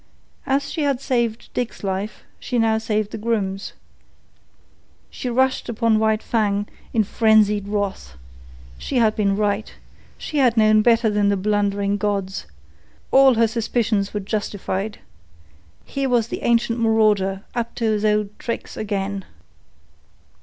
As she had saved Dick's life, she now saved the groom's. She rushed upon White Fang in frenzied wrath. She had been right. She had known better than the blundering gods. All her suspicions were justified. Here was the ancient marauder up to his old tricks again.